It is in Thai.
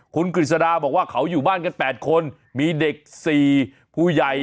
คุณกฤษฎาบอกว่าเขาอยู่บ้านกัน๘คนมีเด็ก๔ผู้ใหญ่